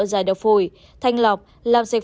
giải độc phổi thanh lọc làm sạch